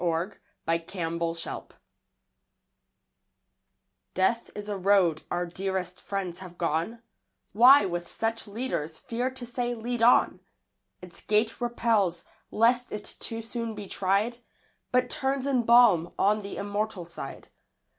James Leigh Hunt Death DEATH is a road our dearest friends have gone; Why with such leaders, fear to say, "Lead on?" Its gate repels, lest it too soon be tried, But turns in balm on the immortal side.